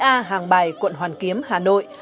bốn mươi a hàng bài quận hoàn kiếm hà nội